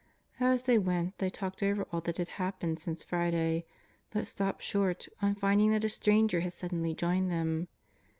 As they went they talked over all that had happened since Friday, but stopped short on finding that a stranger had suddenly joined them.